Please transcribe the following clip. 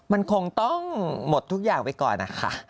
มันคงต้องหมดทุกอย่างไปก่อนนะคะ